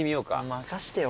任してよ